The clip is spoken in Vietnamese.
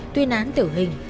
tuyên án tử hình